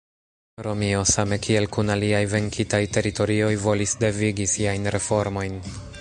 Romio, same kiel kun aliaj venkitaj teritorioj, volis devigi siajn reformojn.